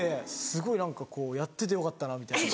すごい何かこうやっててよかったなみたいな。